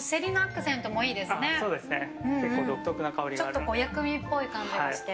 ちょっと薬味っぽい感じがして。